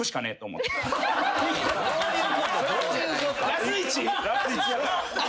ラスイチ？